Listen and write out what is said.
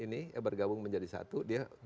ini bergabung menjadi satu dia